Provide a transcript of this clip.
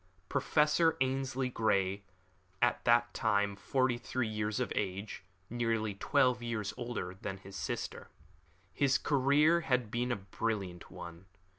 Professor Ainslie Grey was at that time forty three years of age nearly twelve years older than his sister. His career had been a brilliant one.